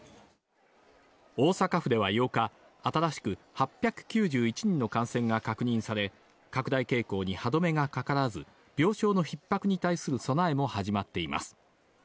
大阪府では８日新しく８９１人の感染が確認され拡大傾向に歯止めがかからず病床のひっ迫に対する備えも始まっています。